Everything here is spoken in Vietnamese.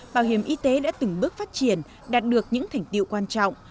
bảo hiểm y tế đã từng bước phát triển đạt được những thành tiệu quan trọng